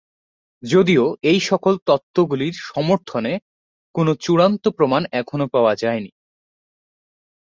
যদিও এইসকল তত্ত্বগুলির সমর্থনে কোন চূড়ান্ত প্রমাণ এখনও পাওয়া যায়নি।